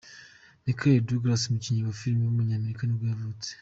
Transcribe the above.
Michael Douglas, umukinnyi wa film w’umunyamerika nibwo yavutse.